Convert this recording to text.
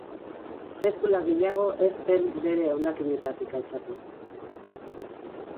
Sekula gehiago ez zen bere hondakinetatik altxatu.